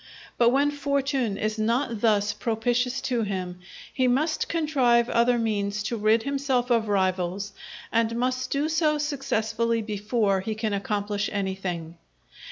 But when fortune is not thus propitious to him, he must contrive other means to rid himself of rivals, and must do so successfully before he can accomplish anything.